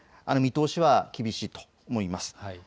見通しは厳しいと思います。